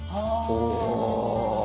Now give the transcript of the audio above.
お！